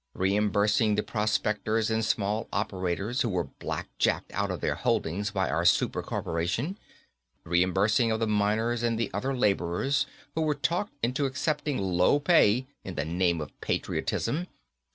Reimbursing the prospectors and small operators who were blackjacked out of their holdings by our super corporation. Reimbursing of the miners and other laborers who were talked into accepting low pay in the name of patriotism."